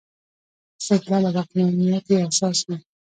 استدلال او عقلانیت یې اساس وي.